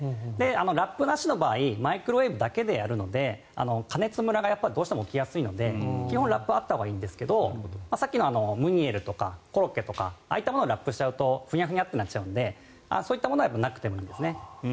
ラップなしの場合マイクロウェーブだけでやるので加熱むらがどうしても起きやすいので基本、ラップはあったほうがいいんですがさっきのムニエルとかコロッケとかああいうものはラップしちゃうとフニャフニャとなってしまうのでそういったものはなくてもいいですね。